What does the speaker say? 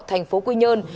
thành phố quy nhơn